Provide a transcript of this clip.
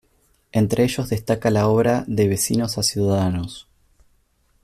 Entre ellos destaca la obra “De vecinos a ciudadanos.